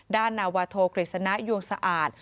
ด้านนาวาโทเกรกษณะยวงสะอาด